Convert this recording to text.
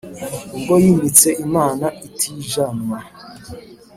Ubwo yimitse imana itijanwa